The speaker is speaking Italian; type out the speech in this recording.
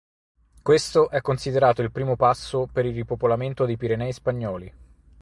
Questo è considerato il primo passo per il ripopolamento dei Pirenei spagnoli.